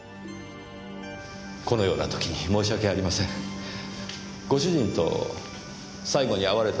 このような時に申し訳ありません。ご主人と最後に会われたのはいつでしたか？